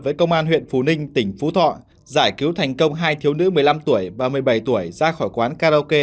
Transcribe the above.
với công an huyện phú ninh tỉnh phú thọ giải cứu thành công hai thiếu nữ một mươi năm tuổi ba mươi bảy tuổi ra khỏi quán karaoke